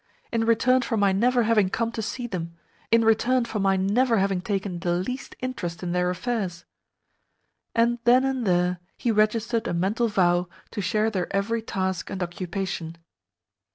In return for my never having come to see them in return for my never having taken the least interest in their affairs!" And then and there he registered a mental vow to share their every task and occupation.